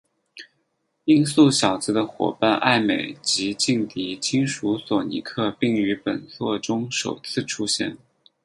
音速小子的夥伴艾美及劲敌金属索尼克并于本作中首次出现。